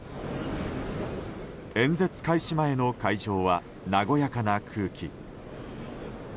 演説開始前の会場は和やかな空気。